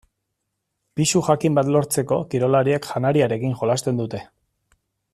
Pisu jakin bat lortzeko kirolariek janariarekin jolasten dute.